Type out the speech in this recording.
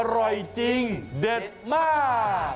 อร่อยจริงเด็ดมาก